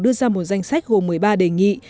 đưa ra một danh sách gồm một mươi ba đề nghị